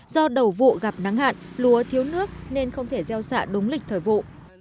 do đầu vụ gặp nắng hạn lúa thiếu nước nên không thể gieo xạ đúng lịch thời vụ